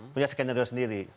punya skenario sendiri